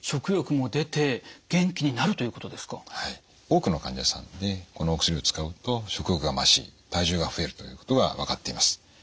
多くの患者さんでこのお薬を使うと食欲が増し体重が増えるということが分かっています。